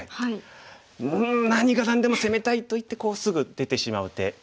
うん何が何でも攻めたいといってすぐ出てしまう手。